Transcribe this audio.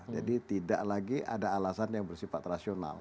jadi tidak lagi ada alasan yang bersifat rasional